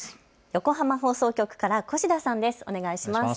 横浜放送局から越田さんです。